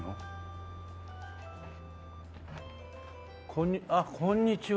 こんにあっこんにちは。